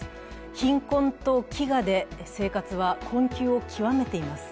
貧困と飢餓で生活は困窮を極めています。